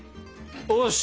よし！